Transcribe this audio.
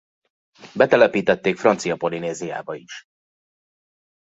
Betelepítették Francia Polinéziába is.